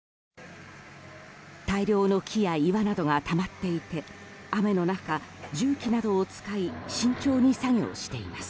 大量の木や岩などがたまっていて雨の中、重機などを使い慎重に作業しています。